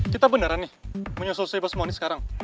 kita beneran nih menyusui bos moony sekarang